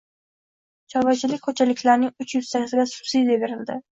Chorvachilik xo‘jaliklarining uch yuztasiga subsidiya berildi